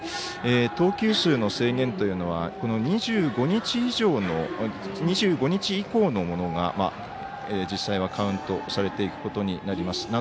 投球数の制限というのは２５日以降のものが実際はカウントされていくことになります。